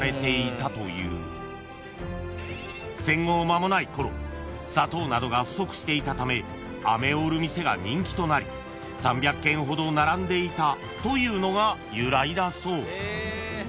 ［戦後間もないころ砂糖などが不足していたためアメを売る店が人気となり３００軒ほど並んでいたというのが由来だそう］